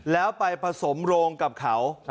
แล้วไปผสมโรงกับเขา